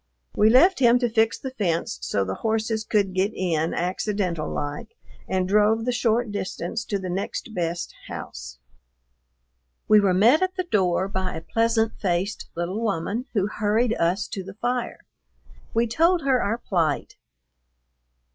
We left him to fix the fence so the horses could get in "accidental like," and drove the short distance to "the next best house." We were met at the door by a pleasant faced little woman who hurried us to the fire. We told her our plight.